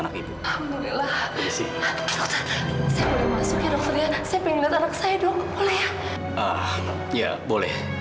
ah ya boleh